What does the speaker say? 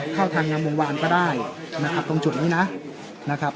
เข้าทางงามวงวานก็ได้นะครับตรงจุดนี้นะนะครับ